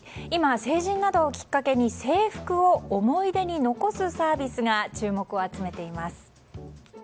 今、成人などをきっかけに制服を思い出に残すサービスが注目を集めています。